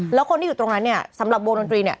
แล้วคนที่อยู่ตรงนั้นเนี่ยสำหรับวงดนตรีเนี่ย